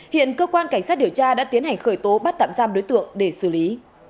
hiện cơ quan cảnh sát điều tra đã tiến hành khởi tố bắt tạm giam đối tượng để xử lý